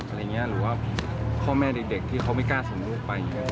หรือว่าพ่อแม่เด็กที่เขาไม่กล้าส่งลูกไป